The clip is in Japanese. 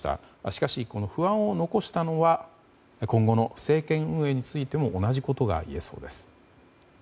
しかし、この不安を残したのは今後の政権運営につても同じことがいえそうです。